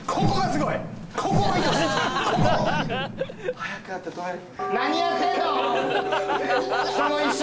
速くやって止める。